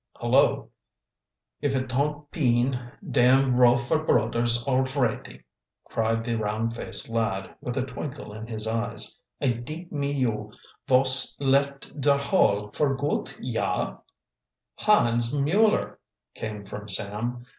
"Hullo, if it ton't peen dem Rofer brudders alretty," cried the round faced lad, with a twinkle in his eyes. "I dink me you vos left der Hall for goot, yah!" "Hans Mueller!" came from Sam.